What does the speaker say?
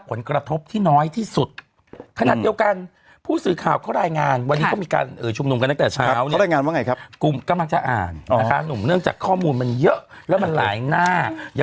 คุณหมายควรอยู่ฟังไปก่อนเข้าใจมั้ยคะ